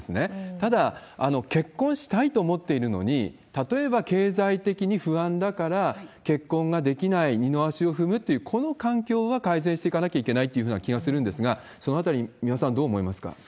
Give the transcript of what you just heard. ただ、結婚したいと思っているのに、例えば経済的に不安だから結婚ができない、二の足を踏むっていう、この環境は改善していかなきゃいけないっていうふうな気がするんですが、そのあたり、三輪さん、どう思いますか？